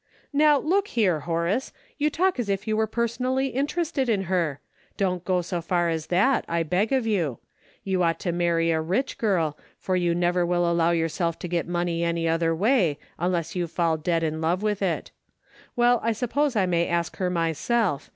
" How look here, Horace, you talk as if you were personally interested in her. Don't go so far as that, I beg of you. You ought to marry a rich girl, for you never will allow yourself to get money any other way, unless you fall dead in love with it. Well, I suppose I may ask her myself.